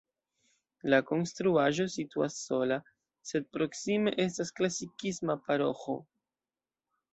La konstruaĵo situas sola, sed proksime estas klasikisma paroĥo.